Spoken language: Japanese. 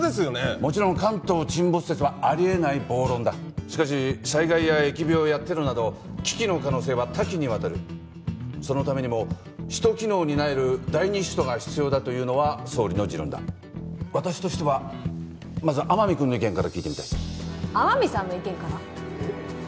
もちろん関東沈没説はあり得ない暴論だしかし災害や疫病やテロなど危機の可能性は多岐にわたるそのためにも首都機能を担える第二首都が必要だというのは総理の持論だ私としてはまず天海君の意見から聞いてみたい天海さんの意見から！？